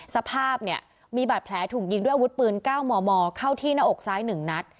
สภาพเนี่ยมีบาดแผลถูกยิงด้วยวุฒิปืนก้าวมอมอเข้าที่หน้าอกซ้ายหนึ่งนัด